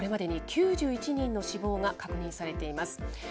これまでに９１人の死亡が確認されています。